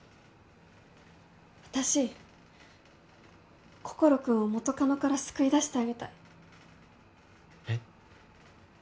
私心君を元カノから救い出してあげたいえっ？